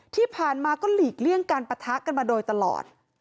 ที่ผ่านมาก็หลีกเลี่ยงการปะทะกันมาโดยตลอด